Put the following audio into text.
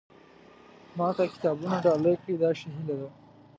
ما ته کتابونه ډالۍ کړي دا ښه هیله ده.